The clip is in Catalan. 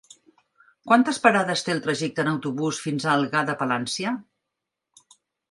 Quantes parades té el trajecte en autobús fins a Algar de Palància?